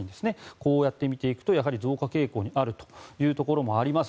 こうやって見ていくとやはり増加傾向にあるというところもあります、